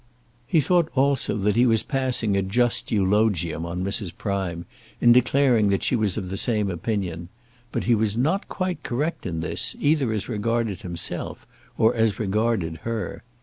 He thought also that he was passing a just eulogium on Mrs. Prime, in declaring that she was of the same opinion. But he was not quite correct in this, either as regarded himself, or as regarded her.